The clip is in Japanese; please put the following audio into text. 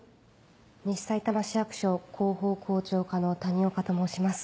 西さいたま市役所広報広聴課の谷岡と申します。